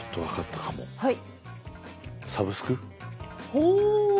ほう！